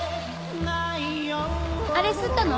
あれ刷ったの？